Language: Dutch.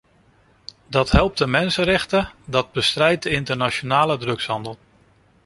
Dat helpt de mensenrechten, dat bestrijdt de internationale drugshandel.